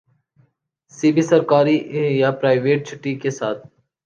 سی بھی سرکاری یا پرائیوٹ چھٹی کے ساتھ